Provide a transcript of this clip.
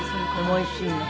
おいしいの？